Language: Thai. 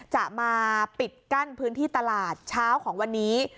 จะมาปิดกั้นพื้นที่ตลาดเช้าของวันนี้